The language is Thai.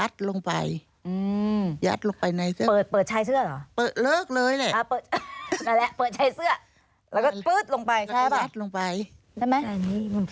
สางนี้เออ